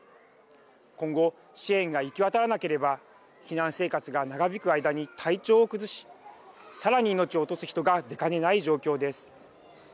今後、支援が行き渡らなければ避難生活が長引く間に体調を崩しさらに命を落とす人が出かねない状況です。